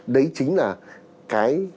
đấy chính là cái